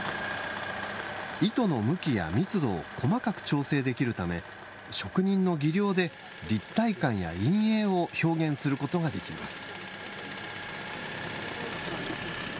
糸の向きや密度を細かく調整できるため職人の技量で立体感や陰影を表現することができます。